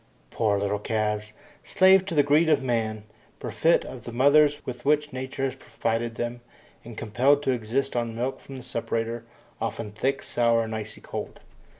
Poor little calves! Slaves to the greed of man! Bereft of the mothers with which Nature has provided them, and compelled to exist on milk from the separator, often thick, sour, and icy cold.